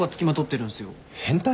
変態？